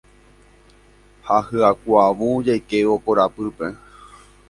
ha hyakuãvu jaikévo korapýpe